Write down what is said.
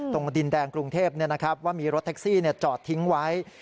ดินแดงกรุงเทพว่ามีรถแท็กซี่จอดทิ้งไว้